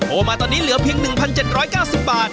มาตอนนี้เหลือเพียง๑๗๙๐บาท